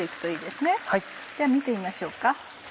では見てみましょうか。